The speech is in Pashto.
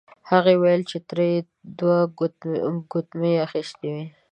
هغې وویل چې تره یې دوه ګوتمۍ اخیستې وې.